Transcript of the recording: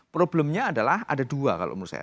problemnya adalah ada dua kalau menurut saya